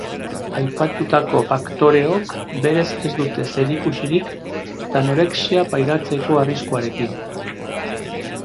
Aipatutako faktoreok berez ez dute zerikusirik tanorexia pairatzeko arriskuarekin.